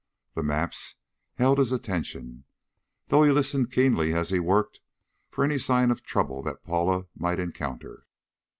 The maps held his attention, though he listened keenly as he worked for any signs of trouble that Paula might encounter.